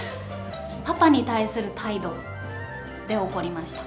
パパに対する態度で怒りました。